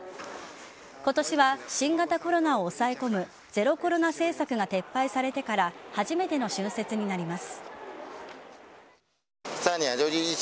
今年は新型コロナを押さえ込むゼロコロナ政策が撤廃されてから初めての春節になります。